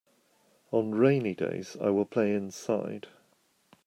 On rainy days I will play inside.